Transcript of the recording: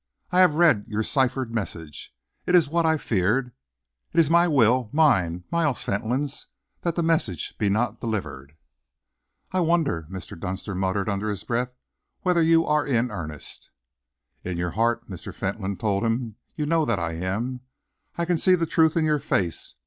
I have read your ciphered message. It is what I feared. It is my will, mine Miles Fentolin's that that message be not delivered." "I wonder," Mr. Dunster muttered under his breath, "whether you are in earnest." "In your heart," Mr. Fentolin told him, "you know that I am. I can see the truth in your face.